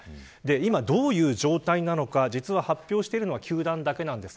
今どういう状態なのか実は発表してるのは球団だけです。